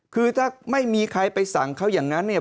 คือถ้าไม่มีใครไปสั่งเขาอย่างนั้นเนี่ย